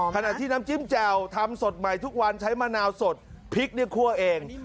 ขณะที่น้ำจิ้มแจ่วทำสดใหม่ทุกวันใช้มะนาวสดพริกเนี่ยคั่วเอง